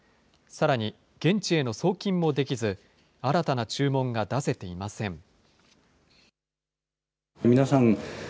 さらに現地への送金もできず、新たな注文が出せていません。